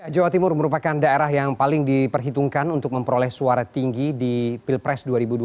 jawa timur merupakan daerah yang paling diperhitungkan untuk memperoleh suara tinggi di pilpres dua ribu dua puluh